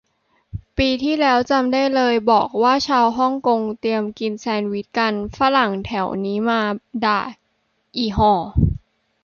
ปีที่แล้วจำได้เลย บอกว่าชาวฮ่องกงเตรียมกินแซนด์วิชกัน ฝรั่งแถวนี้มาด่า อิห่อ